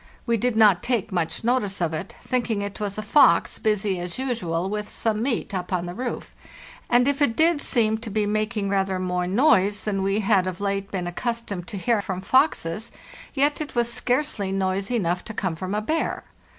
We did not take much notice of it, thinking it was a fox, busy as usual with some meat up on the roof; and if it did seem to be making rather more noise than we had of late been ac customed to hear from foxes, yet it was scarcely noise enough to come from a bear.